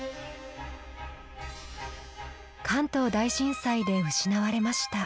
関東大震災で失われました。